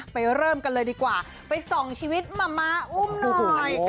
ไปเริ่มกันเลยดีกว่าไปส่องชีวิตมาไม๊อุ้มหน่อย